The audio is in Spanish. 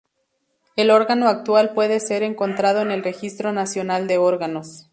El órgano actual puede ser encontrado en el Registro Nacional de Órganos.